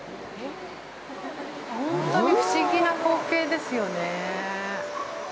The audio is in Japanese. ほんとに不思議な光景ですよね。